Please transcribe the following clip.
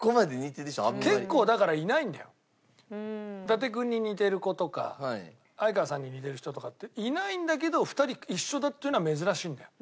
伊達君に似てる子とか哀川さんに似てる人とかっていないんだけど２人一緒だっていうのは珍しいんだよ。